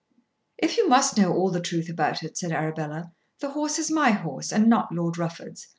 "If you must know all the truth about it," said Arabella, "the horse is my horse, and not Lord Rufford's.